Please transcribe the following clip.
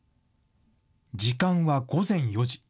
時間は午前４時。